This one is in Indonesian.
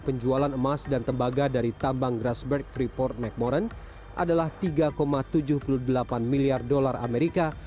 penjualan emas dan tembaga dari tambang grassberg freeport mcmoran adalah tiga tujuh puluh delapan miliar dolar amerika